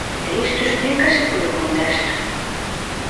E isto explícase polo contexto.